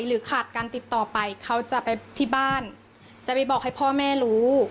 หรือขาดการติดต่อไปเขาจะไปที่บ้านจะไปบอกให้พ่อแม่รู้